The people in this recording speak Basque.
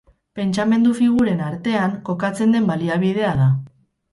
Pentsamendu figuren artean kokatzen den baliabidea da.